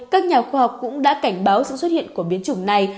các nhà khoa học cũng đã cảnh báo sự xuất hiện của biến chủng này